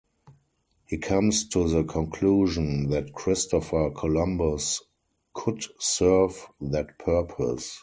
He comes to the conclusion that Christopher Columbus could serve that purpose.